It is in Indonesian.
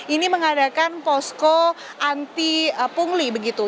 ini mengadakan posko anti pungli begitu